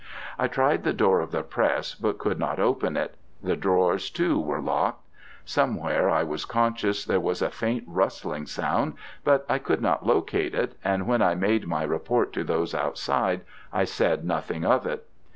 I tried the door of the press, but could not open it: the drawers, too, were locked. Somewhere, I was conscious, there was a faint rustling sound, but I could not locate it, and when I made my report to those outside, I said nothing of it.